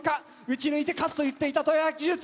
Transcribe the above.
打ち抜いて勝つと言っていた豊橋技術。